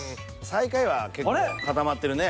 最下位は結構固まってるね。